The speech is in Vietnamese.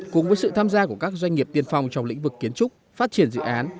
cùng với sự tham gia của các doanh nghiệp tiên phong trong lĩnh vực kiến trúc phát triển dự án